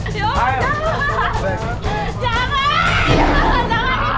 jangan jangan